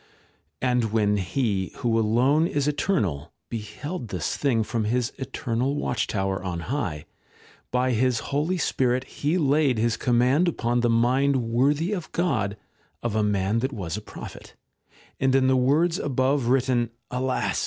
And when He, who alone is eternal, beheld this thing from his eternal watch tower on high, by his Holy Spirit He laid his command upon the mind worthy of God of a man that was a prophet, and in the words above written, alas